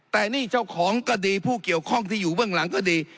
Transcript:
แต่นี่เจ้าของก็ดีผู้เกี่ยวข้องที่อยู่เบื้องหลังก็ดี